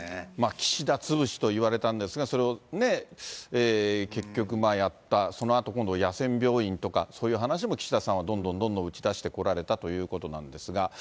岸田潰しといわれたんですが、それをね、結局やった、そのあと、今度、野戦病院とか、そういう話も岸田さんはどんどんどんどん打ち出してこられたということなんですが。